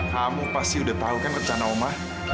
kamu pasti udah tahu kan rencana oma